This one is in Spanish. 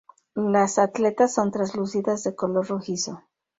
Las aletas son translúcidas, de color rojizo.